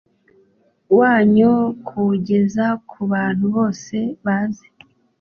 wanyu kuwugeza ku bantu bose bazi